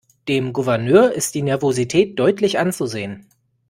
Dem Gouverneur ist die Nervosität deutlich anzusehen.